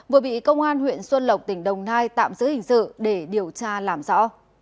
vừa bị công an huyện xuân lộc tỉnh đồng nai tạm giữ hình sự để điều tra làm rõ